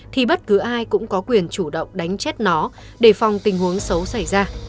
thì bất cứ ai cũng có quyền chủ động đánh chết nó đề phòng tình huống xấu xảy ra